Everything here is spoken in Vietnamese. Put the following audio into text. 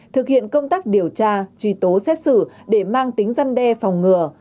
thực hiện công tác điều tra truy tố xét xử để mang tính răn đe phòng ngừa